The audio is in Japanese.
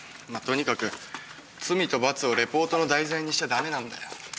まとにかく「罪と罰」をレポートの題材にしちゃ駄目なんだよ。